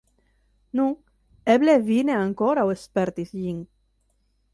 Nu, eble vi ne ankoraŭ spertis ĝin.